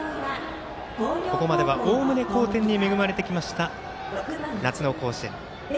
ここまではおおむね好天に恵まれてきました夏の甲子園。